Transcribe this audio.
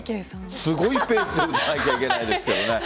すごいペースで打たなきゃいけないですからね。